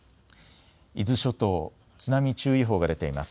伊豆諸島、津波注意報が出ています。